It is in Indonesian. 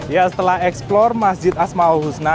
ya setelah eksplor masjid asma ul husna